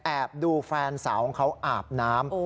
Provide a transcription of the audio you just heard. ดูแฟนสาวของเขาอาบน้ำ